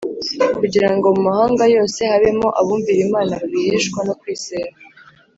kugira ngo mu mahanga yose habemo abumvira Imana babiheshwa no kwizera